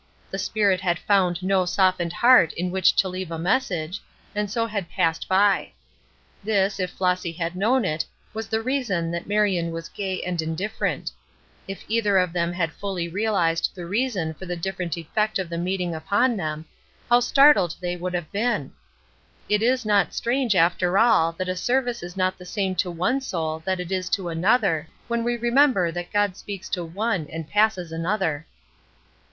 The Spirit had found no softened heart in which to leave a message, and so had passed by. This, if Flossy had known it, was the reason that Marion was gay and indifferent. If either of them had fully realized the reason for the different effect of the meeting upon them, how startled they would have been! It is not strange after all that a service is not the same to one soul that it is to another, when we remember that God speaks to one and passes another.